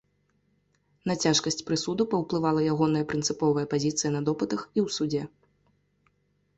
На цяжкасць прысуду паўплывала ягоная прынцыповая пазіцыя на допытах і ў судзе.